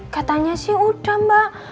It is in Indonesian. katanya sih udah mbak